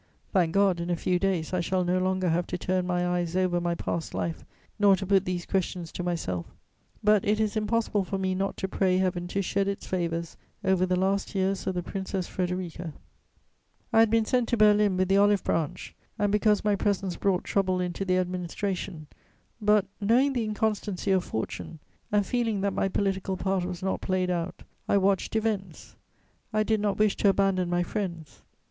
Thank God, in a few days I shall no longer have to turn my eyes over my past life, nor to put these questions to myself. But it is impossible for me not to pray Heaven to shed its favours over the last years of the Princess Frederica. I had been sent to Berlin with the olive branch, and because my presence brought trouble into the administration; but, knowing the inconstancy of fortune, and feeling that my political part was not played out, I watched events: I did not wish to abandon my friends.